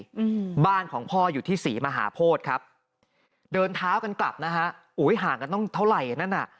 อืมบ้านของพ่ออยู่ที่ศรีมหาโพธิครับเดินเท้ากันกลับนะฮะอุ้ยห่างกันต้องเท่าไหร่อ่ะนั่นอ่ะ